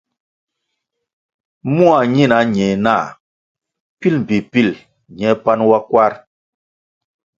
Mua ñina ñe nah pil mbpi pil ñe panʼ wa kwarʼ.